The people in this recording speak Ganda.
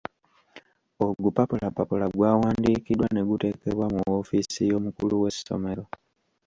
Ogupapulapapula gw'awandiikiddwa ne guteekebwa mu woofiisi y'omukulu w'essomero.